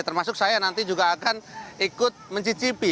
termasuk saya nanti juga akan ikut mencicipi